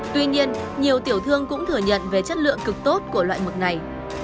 tuy nhiên nhiều tiểu thương cũng thừa nhận về chất lượng cực tốt của loại mực này